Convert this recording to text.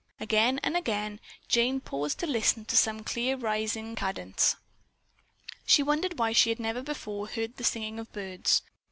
Again and again Jane paused to listen to some clear rising cadence. She wondered why she had never before heard the singing of birds.